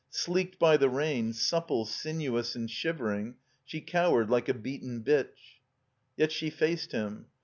Sleeked by the rain, supple, sinuous, and shivering, she cow ered like a beaten bitch. Yet she faced him.